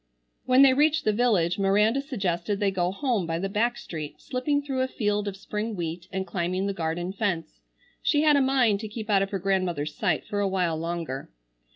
When they reached the village Miranda suggested they go home by the back street, slipping through a field of spring wheat and climbing the garden fence. She had a mind to keep out of her grandmother's sight for a while longer.